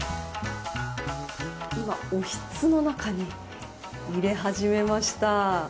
今、おひつの中に入れ始めました。